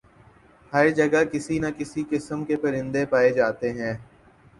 ہر جگہ کسی نہ کسی قسم کے پرندے پائے جاتے ہیں